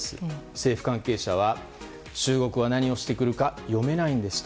政府関係者は中国は何をしてくるか読めないんですと。